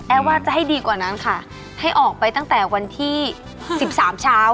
ว่าจะให้ดีกว่านั้นค่ะให้ออกไปตั้งแต่วันที่๑๓เช้า